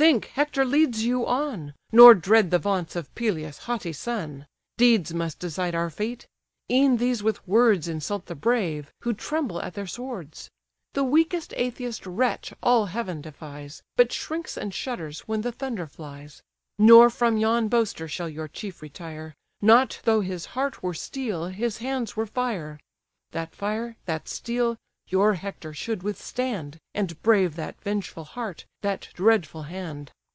Think, Hector leads you on; Nor dread the vaunts of Peleus' haughty son. Deeds must decide our fate. E'en these with words Insult the brave, who tremble at their swords: The weakest atheist wretch all heaven defies, But shrinks and shudders when the thunder flies. Nor from yon boaster shall your chief retire, Not though his heart were steel, his hands were fire; That fire, that steel, your Hector should withstand, And brave that vengeful heart, that dreadful hand."